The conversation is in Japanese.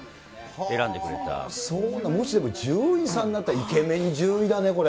そう、でももし獣医さんになったら、イケメン獣医だね、これ。